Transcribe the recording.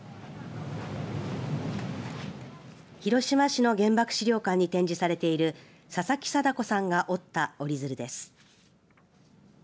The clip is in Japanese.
広島市の原爆資料館に展示されている佐々木禎子さんが折った折り鶴です。